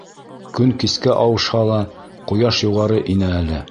Көн кискә ауышһа ла, ҡояш юғары ине әле.